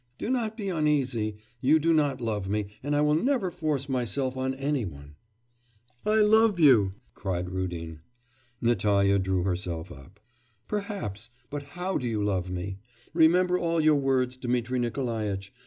Do not be uneasy... you do not love me, and I will never force myself on any one.' 'I love you!' cried Rudin. Natalya drew herself up. 'Perhaps; but how do you love me? Remember all your words, Dmitri Nikolaitch.